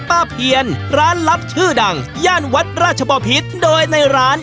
เพียนร้านลับชื่อดังย่านวัดราชบอพิษโดยในร้าน